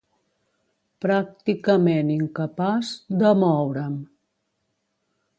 Pràcticament incapaç de moure'm